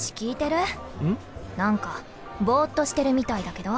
何かボッとしてるみたいだけど？